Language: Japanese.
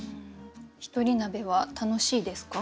一人鍋は楽しいですか？